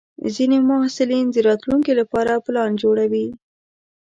ځینې محصلین د راتلونکي لپاره پلان جوړوي.